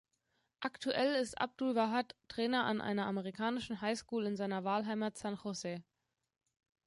Aktuell ist Abdul-Wahad Trainer an einer amerikanischen High School in seiner Wahlheimat San Jose.